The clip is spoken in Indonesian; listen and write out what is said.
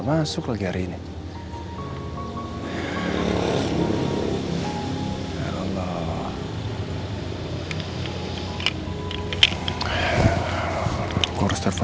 mama harus kuat